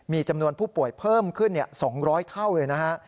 มีจำนวนผู้ป่วยเพิ่มขึ้น๒๐๐เท่าเลยนะฮะ